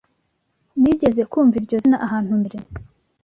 Nigeze kumva iryo zina ahantu mbere.